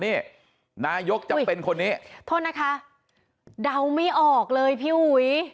นี่นายกจำเป็นคนนี้โทษนะคะเดาไม่ออกเลยพี่อุ๋ย